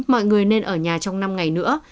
mọi người nên ở nhà trong năm ngày nữa